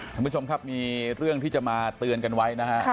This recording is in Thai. ท่านผู้ชมครับมีเรื่องที่จะมาเตือนกันไว้นะฮะ